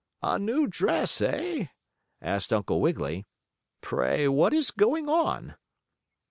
"A new dress, eh?" asked Uncle Wiggily. "Pray, what is going on?"